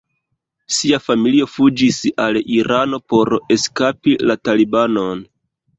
Sia familio fuĝis al Irano por eskapi la Talibanon.